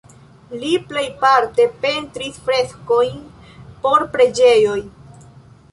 Li plejparte pentris freskojn por preĝejoj.